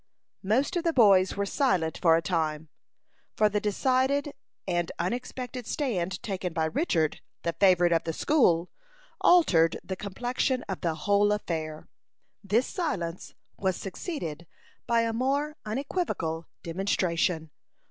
Most of the boys were silent for a time, for the decided and unexpected stand taken by Richard, the favorite of the school, altered the complexion of the whole affair. This silence was succeeded by a more unequivocal demonstration.